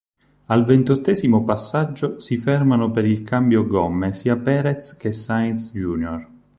Al ventottesimo passaggio si fermano per il cambio gomme sia Pérez che Sainz Jr..